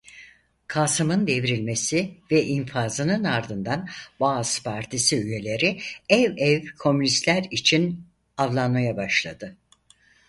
Kasım'ın devrilmesi ve infazının ardından Baas Partisi üyeleri ev ev komünistler için avlanmaya başladı.